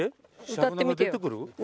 歌ってみてよ。